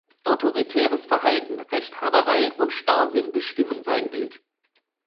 Autoritäres Verhalten, Rechthaberei und Starrsinn bestimmten sein Bild.